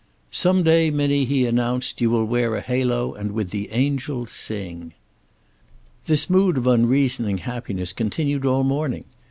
"Some day, Minnie," he announced, "you will wear a halo and with the angels sing." This mood of unreasoning happiness continued all morning.